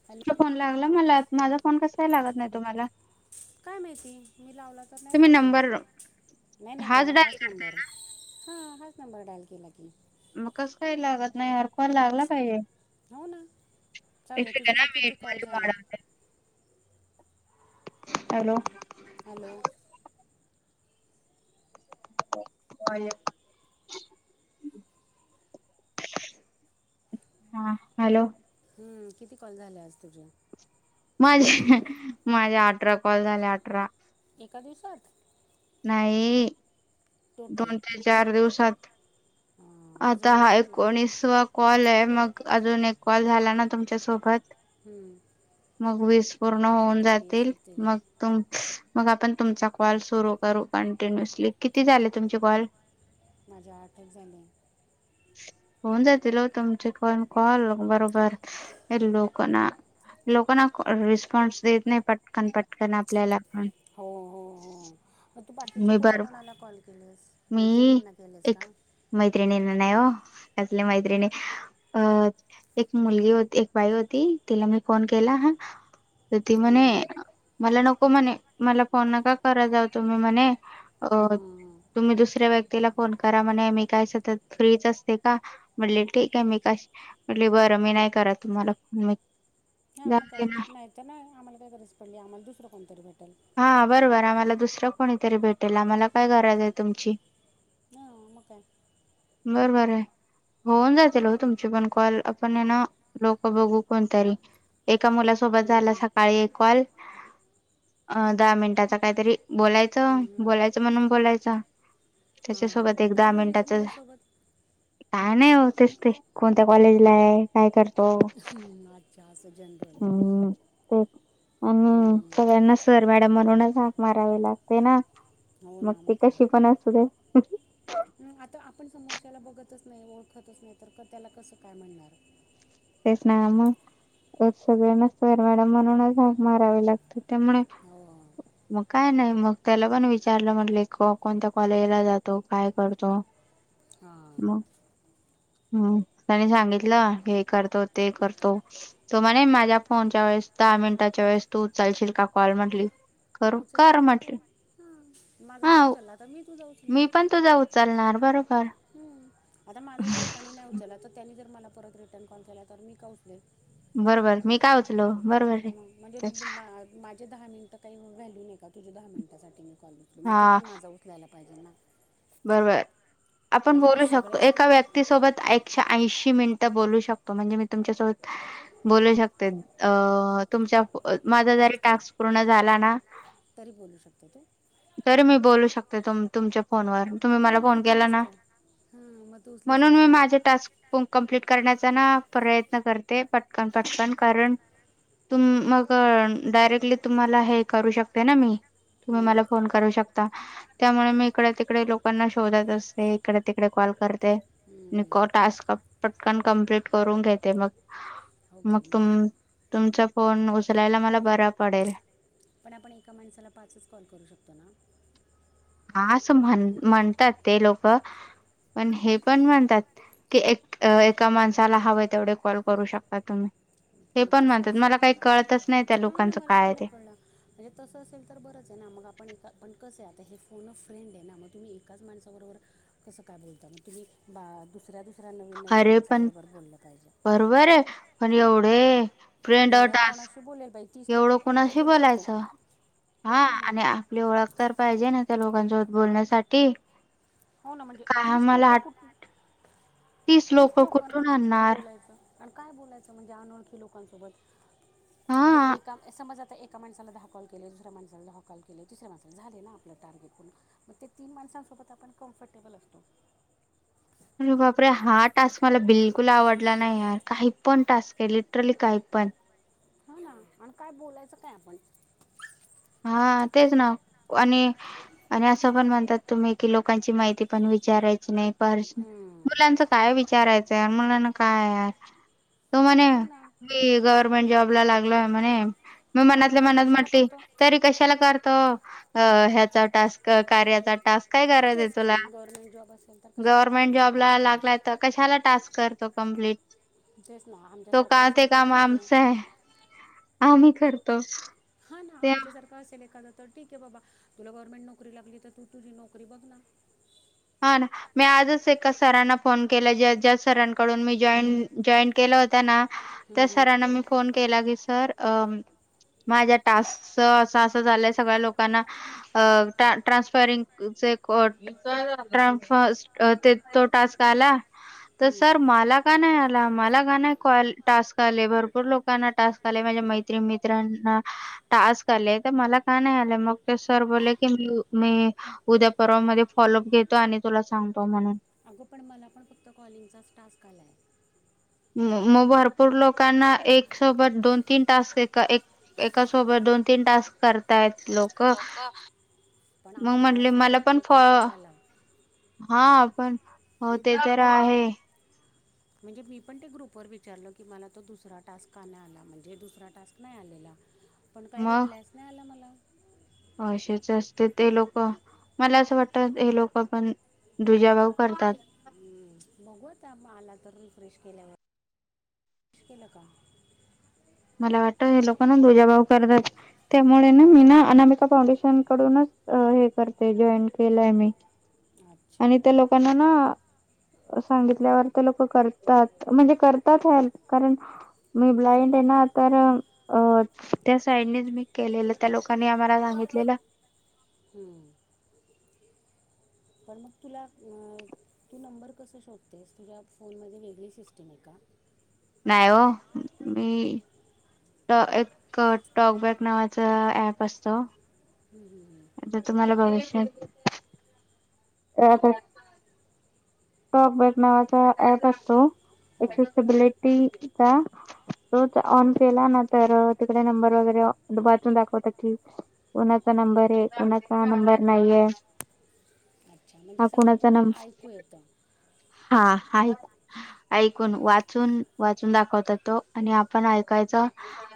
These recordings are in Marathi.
खॅ. फोन लागला मला माझा फोन कसा लागत नाही तुम्हाला काय माहिती मी लावला तर नाही तुम्ही लाकला नंबर नाही नाही ग डायल हाच करताय नंबर हा हाच नंबर डायल केला की मग कसं काही लागत नाही हरखर लागला पाहिजे. हो ना, एक चालेल सेकंड तुझं तर हा मी किती कॉल व्हॉल्यूम झाले? वाढवते हॅलो! हॅलो! [unintelligible] [unintelligible] हा, हॅलो! हम्म, किती कॉल झाले आज तुझे? माझे [unintelligible] माझे अठरा कॉल झाले अठरा. एका दिवसात. नाही, दोन ते चार दिवसात. हा. आता हा एकोणीसवा कॉल आहे मग, अजून एक कॉल झाला ना तुमच्यासोबत हम्म, मग वीस पूर्ण होऊन जातील, होतील मग तुम-मग आपण तुमचा कॉल सुरू करू, कंटिन्युअसली किती झाले तुमचे कॉल? माझे आठचं झाले. [unintelligible] होवून जातील, ओ तुमचे पण कॉल बरोबर लोक ना लोकांना रिस्पॉन्स देत नाही, पटकन पटकन आपल्याला. पण हो हो हो, म तू बाकीचे मी कुणा बर कुणाला कॉल केलेस? मी मैत्रिणींना केलेस का एक मैत्रिणींना नाही ओ, कसले मैत्रिणी अ एक मुलगी होती, एक बाई होती तिला मी फोन केला हा तर ती म्हणे, हं, मला नको म्हणे, मला फोन नका करत जाऊ तुम्ही म्हणे. अ हं, हं, हं. तुम्ही दुसऱ्या व्यक्तीला फोन करा म्हणे, मी काय सतत फ्रीच असते का? म्हटले ठीक आहे, मी कश- म्हटले बरं मी नाही करत तुम्हाला फोन मी हा मग जाऊ काय दे ना नाही तर ना, आम्हाला काय गरज पडली आम्हाला दुसरं कोणतरी भेटेल. हा, बरोबर आम्हाला दुसर कोणीतरी भेटेल आम्हाला काय गरज आहे तुमची. हा आ, मग काय? बरोबर आहे. होऊन जातील ओ, तुमचे पण कॉल आपण हाय ना लोक बघू कोणी तरी. एका मुलासोबत झाला हम्म, सकाळी एक काँल. अ दहा मिनिटाच काहीतरी बोलायचं, हम्म, हम्म. बोलायचं म्हणून बोलायचं हा त्याच्या सोबत मग एक काय दहा बोललीस मिनिटाच मुलासोबत काय नाही ओ, तेच ते कोणत्या कॉलेज ला आहे? काय करतो? हम्म, अच्छा असं जनरल हम्म, ते आणि सगळ्यांना सर मॅडम म्हणूनच हाक मारावे लागते ना. हो ना, ती मग काय? कशी पण असू दे हम्म, आता आपण समोरच्याला बघतच नाही ओळखतच नाही तर, त्याला कसं काय म्हणणार? तेच ना मग, सगळ्यांना सर मॅडम म्हणूनच मारावे लागत त्यामुळे हो. मग काय नाही मग, त्याला पण विचारलं म्हटले कोणत्या कॉलेजला जातो? काय करतो? हां मग हम्म, त्यानी सांगितलं हे करत तो ते करतो. तो म्हणे माझ्या फोनच्या वेळेस दहा मिनिटाच्या वेळेस तू उचलशील का कॉल म्हटली? करू कर म्हटले. हा, माझा तू उचलला, तर मी तुझा उचलेल. मी पण तुझा उचलणार बरोबर. आता माझा जर, एकानी नाही उचला तर त्यांनी जर मला परत रिटर्न कॉल केला तर, मी का उचलेन? बरोबर मी का उच बरो ह म्हणजे माझे दहा मिनिटं काही व्हॅल्यू नाही का तुझ्या दहा मिनिटा मी कॉल घेतली मग तू हा पण माझा िक वयला पाहिजे ना बरोबर आपण म्हणजे बोलू शकतो. सगळेजण एका व्यक्ती ती सोबत एकशे ऐंशी मिनिटं बोलू शकतो म्हणजे मी तुमच्यासोबत बोलू शकते अ तुमच्या माझा जरी पाच कॉल टास्क पूर्ण झाला ना.. तरी बोलू शकतो तू तरी मी बोलू शकते त तुमच्या फोनवर. तुम्ही मला ए फोन किती केला ना, मस्त हां मग तू उचलू म्हणून मी शकशील माझे टास्क प कंप्लीट करण्याचा ना प्रयत्न करते पटकन पटकन कारण तु मग डायरेक्टली तुम्हाला हे करू शकते ना मी तुम्ही मला हम्म, करू शकता त्यामुळे मी इकडे तिकडे लोकांना शोधत असते. इकडे तिकडे कॉल करते. आणि हम्म. टास्क पटकन कंप्लीट करून घेते मग. मग ओके तुम काय तुमचा फोन उचलायला मला बरा पडेल. पण आपण एका माणसाला पाचच कॉल करू शकतो ना... हा असं म्हण म्हणतात ते लोक पण हे पण म्हणतात की एक एका माणसाला हवें तेवढे कॉल करू शकता तुम्ही ते पण तसं म्हणतात मला असेल काही तर कळतच नाही त्या हां ना लोकांचं मला काय पण आहे नाही ते. कळलं म्हणजे तसं असेल तर बरंच आहे ना! मग आपण... एका पण कसं आहे, आता हे फोन फ्रेंड आहे ना, मग तुम्ही एकाच माणसाबरोबर... कसं काय बोलत मग तुम्ही? बा दुसऱ्या- दुसऱ्या, नवीन- नवीन अरे पण माणसाबरोबर बोललं पाहिजे. बरोबर आहे आणि एवढे फ्रेंड अ एवढ्या टास्क कोणाशी बोलेल बाई तीस लोक एवढं कोण कोणाशी कुठून शोपते ह बोलायचं हा ना म आणि आपली ओळख तर पाहिजे ना, त्या लोकांसोबत बोलण्यासाठी हो ना म्हणजे काय तीस मला लोकं कुठे तीस तीच लोक लोकांना कुठून कुठनं आणणार बोलायचं आणि काय बोलायचं म्हणजे अनोळखी लोकांसोबत. म्हणजे हा एकाम समज आता एका माणसाला दहा कॉल केले दुसऱ मासाला दहा कॉल केलेिसऱ्या माणसाला झाले ना आपलं टार्गेट पूर्ण. मग ते तीन माणसांसोबत आपण कम्फर्टेबल असतो. अरे बापरे! हा टास्क मला बिलकुल आवडला नाही यार... काही पण टास्क आहे, लिटरली काही पण! हा ना, आणि काय बोलायचं काय आपण? हा तेच ना आणि आणि असं पण म्हणतात तुम्ही कि लोकांची माहिती पण विचारायची नाही प हम्म. मुलांच काय विचारायचं मुलांना काय? तो म्हणे हो ना मी गव्हर्मेंट जॉब ला लागलोय म्हणे मग मग मनातल्या हे मनात कशाला म्हटली करतो तरी कशाला करतो ह्याचा टास्क कार्याचा टास्क काय करायच आहे तेच की तुला गव्हर्मेंट जॉब असेल तर कशाला गव्हर्मेंट करायचा जॉब ला टास्क लागलाय करायचा तर कशाला टास्क करतो कंप्लीट तेच ना तो आमच्यासारखं का ते असेल तर काम ठीक आमचं आहे ह मी करतो ते आमच्यासारखं असेल एखादां तर ठीक आहे बाबा तुला गव्हर्नमेंट नोकरी लागली तर तू तुझी नोकरी बघ ना हा ना मी आजच एका सरांना फोन केला ज्या ज्या सरांकडून मी जॉईन जॉईन केला होता ना तर हम्म, सरांना मी फोन केला की सर अ माझ्या टास्कच असं असं झालंय सगळ्या लोकांना अ ट्रान्सफरिंग ् तो टास्क आला तर हम्म. सर मला का नाही आला मला का नाही क टास्क आले भरपूर लोकांना टास्क आले म्हणजे मैत्री मित्रांना टास्क आले तर मला का नाही आले मग ते सर बोलले की मी मी उद्या परवा मध्ये फॉलोअप घेतो, आणि तुला सांगतो म्हणे. अगं, पण मला पण फक्त कॉलिंगचाच टास्क आलाय. मग भरपूर लोकांना एक सोबत दोन तीन टास्क एका एका सोबत दोन तीन टास्क करतायेत लोक. क पण मग, आपल्याला म्हटले फक्त मला पण फ एक अ एकच आला हा, आपण हो ते तर आहे. म्हणजे मी पण त्या ग्रुपवर विचारल की, मला तो दुसरा टास्क का नाही आला? म्हणजे दुसरा टास्क नाही आलेला. [inaudible] पण काही रिप्लायच नाही आला मला. असेच असते ते लोक. मला असं वाटतं हे लोक पण दुजाभाव करतात. बघु तर म आला तर, रिफ्रेश केल्यावर. केल का? मला वाटतं, हे लोकना दुजाभाव करतात. त्यामुळे ना, मी ना अनामिका फाउंडेशन कडूनच हे करते जॉईन केलंय मी. अच्छा आणि त्या लोकांना ना सांगितल्यावर तर लोक करतात म्हणजे करतात हेल्प कारण मी ब्लाइंड आहे ना. तर अ त्या साईडनी मी केलेलं, त्या लोकांनी आम्हाला सांगितलेलं हम्म, पण मग, तुला अ तू नंबर कसं शोधतेस तुझ्या फोनमध्ये वेगळी सिस्टम आहे का? नाही ओ, मी ट एक टॉक बॅक नावाच ॲप असतो. ह ह. जर तुम्हाला भविष्यात राहतात. सप बट नावाचा ऍप असतो, हां एक्सेसबिलिटी हा तोच ऑन केला ना तर, तिकडे नंबर वगैरे वाचून दाखवत की कोणाचा अच्छ- नंबर आहे, कोणाचा नंबर हां नाहीये. अच्छा! म्हणजे हा सगळं कुणाचा तुम्हाला नंबर ऐकू येतं. हा, ऐकू ऐकून वाचून वाचून दाखवत तो आणि आपण ऐकायचं.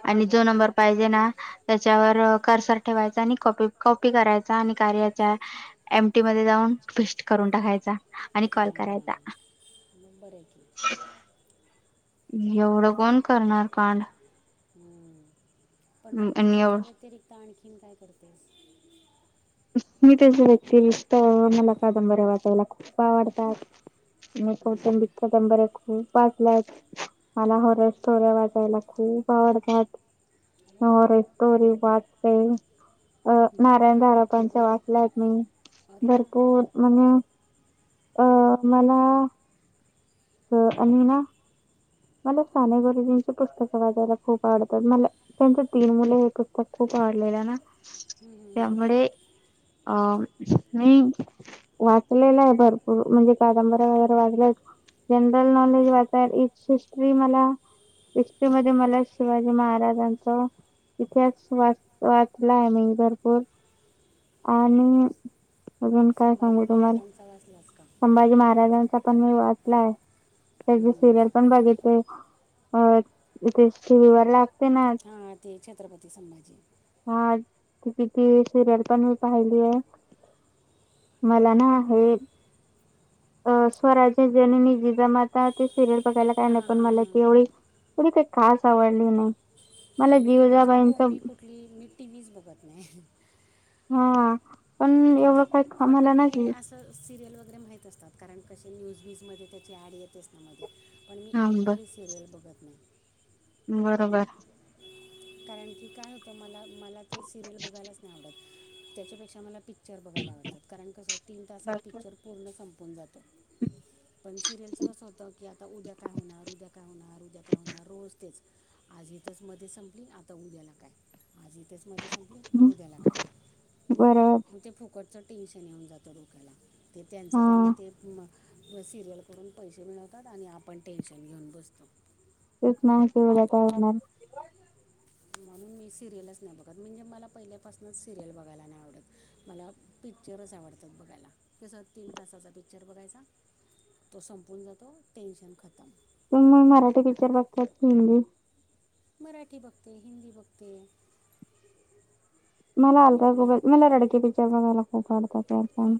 आणि जो नंबर पाहिजे ना त्याच्यावर कर्सर ठेवायचा, आणि कॉप- कॉपी करायचा आणि कार्याच्या एमटी मध्ये जाऊन पेस्ट करून टाकायचा आणि कॉल हां करायचा. मग, बरं हाय की. एवढं कोण करणार कांड? हम्म, पण मग तू आणि ह्याच्या एवढ व्यतिरिक्त आणखीन काय करतेस? मी त्याच्या व्यक्तिरिक्त मला कादंबरी वाचायला खूप आवडतात. मी हम्म. कौटुंबिक कादंबऱ्या खूप वाचल्या आहेत. मला हॉरर स्टोऱ्या वाचायला खूप आवडतात. अरे हाँरर स्टोरी बापरे! अ नारायण धारपांच्या वाचल्यात मी अरे वा हम्म. भरपूर म्हणे अ मला अ आणि ना मला साने गुरुजींची पुस्तकं वाचायला खूप आवडतात, मला त्यांच तीन मुलं हे पुस्तक खूप आवडलेलं ना. हम्म हम्म, त्यामुळे अ नाही वाचलेलं आहे, भरपूर म्हणजे कादंबऱ्या वगैरे वाचल्यात. जनरल नॉलेज वाचाय हि-हिस्ट्री मला हिस्ट्री मध्ये मला शिवाजी महाराजांचं इथिहास वाच वाचलाय मी भरपूर आणि अजून काय संभाजी सांगू तुम्हाला महाराजांचा वाचलाच का? संभाजी महाराजांचा पण मी वाचलाय त्याचे हम्म. सिरियल पण बघितले. अ ते टि व्ही वर लागते ना हां ते छत्रपती संभाजी. हा त किती सिरियल पण मी पाहिली आहे. मला ना हे अ स्वराज्य जननी जिजामाता ते सिरियल बघायला काय नाही हां पण हां मला हां ती एवढी काही खास आवडली नाही. मला मी तुला सांगू जिवजाबाईंच मी कुठली मी टी व्हीच बघत नाही. हा पण एवढं काय सजमला नाही. तर सिरियल वगैरे माहीत असतात कारण कसे न्यूज वीजमध्ये त्याची ॲड येतेच ना मध्ये पण मी हा ब एकही सिरियल बघत नाही. बरोबर. कारण की काय होतं मला मला ते सिरियल बघायलाच नाही आवडत त्याच्यापेक्षा मला पिक पिक्चर बघायला आवडतात कारण कसं तीन तासात बरोबर पिक्चर पूर्ण संपून जातो. पण सिरियलचं कसं होतं की आता उद्या काय होणार, उद्या काय होणार, उद्या काय होणार, रोज तेच. आज ईथच मध्ये संपली आता उद्याला काय? आज ईथच मध्ये संप उद्याला काय, मग ते फुकटच टेन्शन येऊन जातं डोक्याला ते त्यांचं हा त्यांना ते म सिरियलकडून पैसे मिळवतात आणि आपण टेन्शन घेऊन बसतो तेच ना शेवटला काय घटणार? म्हणून मी सिरियलच नाही बघत म्हणजे मला पहिल्यापासूनच सिरियल बघायला नाही आवडत. मला पिक्चरच आवडतात बघायला कस तीन तासाचा पिक्चर बघायचा तो संपून जातो टेन्शन खतम पण मग मराठी पिक्चर बघतात की हिंदी? मराठी बघते, हिंदी बघते. मला दोन्ही अलका पण कबुल मला रडके पिक्चर बघायला खूप आवडतात यार ताई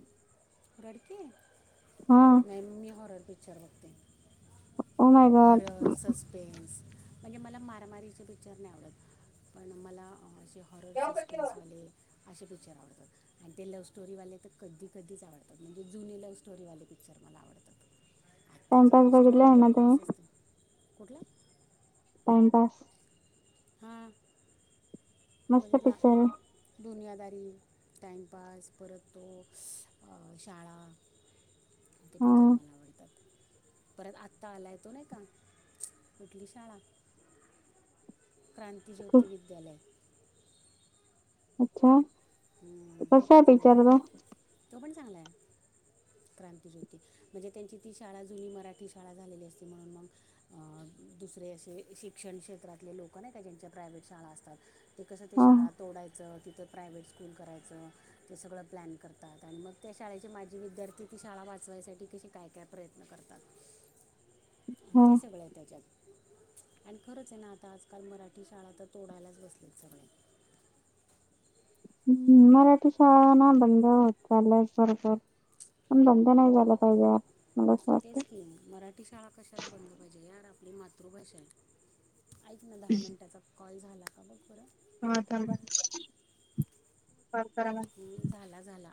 रडके हा नाही मी हॉरर पिक्चर बघते. Oh my god horror, suspense म्हणजे मला मारामारीचे पिक्चर नाही आवडत पण मला असे हॉरर, सस्पेन्सवाले असे पिक्चर आवडतात आणि ते लव्ह स्टोरीवाले तर कधी कधीच आवडतात म्हणजे जुनी लव्ह स्टोरीवाले पिक्चर मला आवडतात आत्ताची टाइमपास लव्ह बघितला स्टोरी आहे ना तुम्ही बकवास असते. कुठला? टाइमपास. हां मस्त बघितला पिक्चर आहे दुनियादारी, टाइमपास परत तो शाळा आणि ते पिक्चर हा मला आवडतात परत आत्ता आला येतो नाही का कुठली शाळा? क्रांती खूप ज्योतिविद्यालय अच्छा हम्म, तो कस आहे पण चांगला पिक्चर? तो पण चांगलाय. क्रांती ज्योती म्हणजे त्यांची ती शाळा जुनी मराठी शाळा झालेली असती म्हणून मग अं दुसरे असे शिक्षण क्षेत्रातले लोक नाही का ज्यांच्या प्रायव्हेट शाळा असतात. ते कसं ते हा शाळा तोडायचं तिथं प्रायव्हेट स्कूल करायच ते सगळं प्लॅन करतात आणि मग त्या शाळेचे माझी विद्यार्थी ती शाळा वाचवायसाठी कशी काय काय करतात प्रयत्न करतात. ह [unintelligible] ते सगळं आहे त्याच्यात. आणि खरंच आहे ना, आता आजकाल मराठी शाळा तर तोडायलाच बसलेत सगळे. हम्म, मराठी शाळा नाही बंद होत, चाललयं सरकार पण हो दंगा नाही झाला पाहिजे, मला असं वाटत. ती मराठी मराठी शाळा कशाला बंद पाहिजे, यार आपली मातृभाषा आहे ऐक ना दहा मिनटाचा कॉल झाला का, बघं बरं? हा, थांबा परत करा म. अम, झाला झाला.